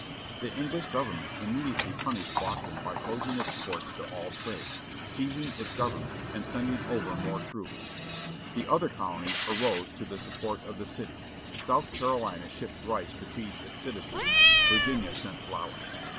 The English government immediately punished Boston by closing its port to all trade, seizing its government and sending over more troops. The other colonies arose to the support of the city. South Carolina shipped rice to feed its citizens. Virginia sent flour.